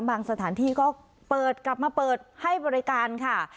สถานที่ก็เปิดกลับมาเปิดให้บริการค่ะ